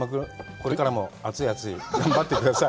これからも熱い熱い頑張ってください